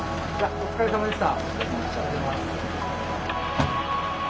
お疲れさまでした。